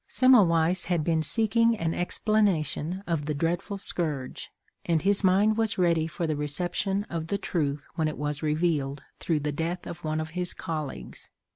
Semmelweiss had been seeking an explanation of the dreadful scourge, and his mind was ready for the reception of the truth when it was revealed through the death of one of his colleagues.